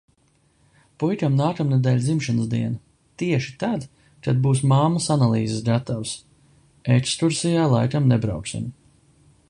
Puikam nākamnedēļ dzimšanas diena tieši tad, kad būs mammas analīzes gatavas. Ekskursijā laikam nebrauksim.